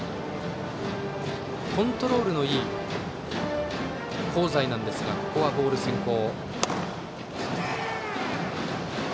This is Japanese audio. コントロールのいい香西ですがボール先行。